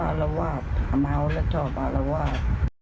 อารวาสเมาและชอบอารวาส